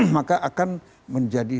maka akan menjadi